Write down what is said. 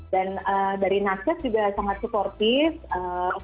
dan dari nakesh juga sangat supportive